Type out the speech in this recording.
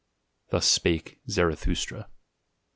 Thus Spake Zarathustra. i.